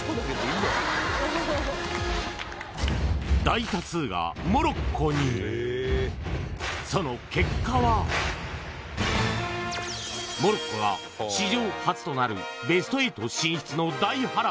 大多数がモロッコにその結果はモロッコが史上初となるベスト８進出の大波乱